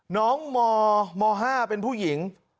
น้องม๕เป็นผู้หญิง